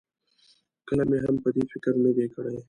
کله مې هم په دې فکر نه دی کړی.